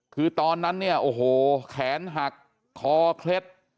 คือตอนนั้นเนี่ยโอ้โหแขนหักคอเคล็ด